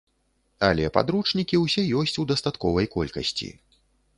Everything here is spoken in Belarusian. Але падручнікі ўсе ёсць у дастатковай колькасці.